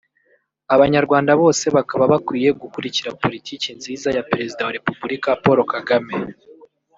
abanyarwanda bose bakaba bakwiye gukurikira Politiki nziza ya Perezida wa Repubulika Paul Kagame